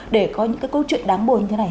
để có những cái câu chuyện đáng buồn như thế này